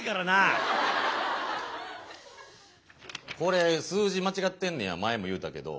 これ数字間違ってんねや前も言うたけど。